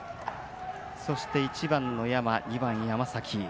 そして、１番の山、２番山崎。